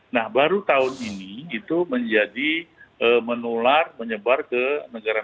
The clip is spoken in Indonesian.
nah baru tahun ini itu menjadi menular menyebar ke negara negara lain